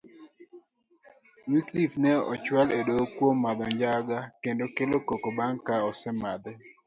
Wyclife ne ochual edoho kuom madho njaga kendo kelo koko bang kaosemadhe.